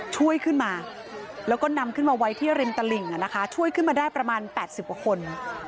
ช่วยขึ้นมาแล้วก็นำขึ้นมาไว้ที่ริมตลิ่งช่วยขึ้นมาได้ประมาณ๘๐กว่าคน